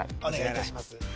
お願いいたします